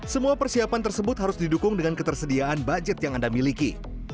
semua persiapan tersebut harus didukung dengan ketersediaan budget yang anda miliki